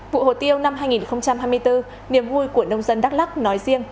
vụ hồ tiêu năm hai nghìn hai mươi bốn niềm vui của nông dân đắk lắc nói riêng